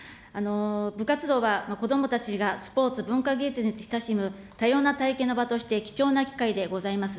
部活動はこどもたちがスポーツ、文化芸術に親しむ多様な体験の場として貴重な機会でございます。